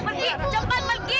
pergi cepat pergi